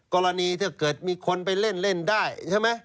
ถ้าเกิดมีคนไปเล่นได้ใช่ไหม